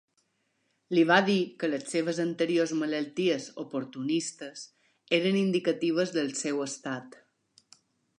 Li va dir que les seves anteriors malalties oportunistes eren indicatives del seu estat.